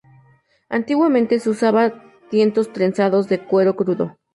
Antiguamente se usaba tientos trenzados de cuero crudo.